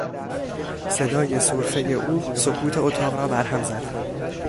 صدای سرفهی او سکوت اتاق را بر هم زد.